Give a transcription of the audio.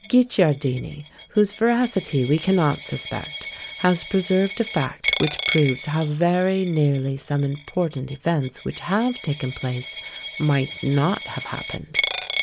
Guicciardini, whose veracity we cannot suspect, has preserved a fact which proves how very nearly some important events which have taken place, might not have happened!